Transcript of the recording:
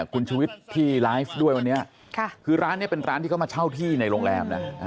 คุณชุวิตที่ไลฟ์ด้วยวันนี้คือร้านนี้เป็นร้านที่เขามาเช่าที่ในโรงแรมนะ